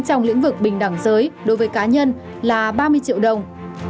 trong lĩnh vực bình đẳng giới đối với cá nhân là ba mươi triệu đồng